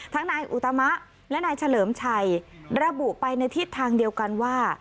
นายอุตมะและนายเฉลิมชัยระบุไปในทิศทางเดียวกันว่า